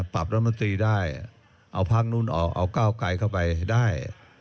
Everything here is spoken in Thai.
ปรับรัฐมนตรีได้เอาพักนู้นออกเอาก้าวไกลเข้าไปได้